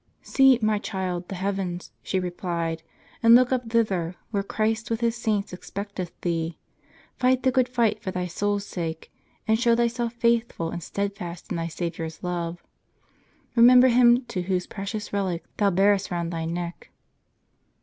"See, my child, the heavens," she replied, "and look up thither, where Christ with His saints expecteth thee. Fight the good fight for thy soul's sake, and show thyself faithful and steadfast in thy Saviour's love.* Remember him too whose precious relic thou bearest round thy neck."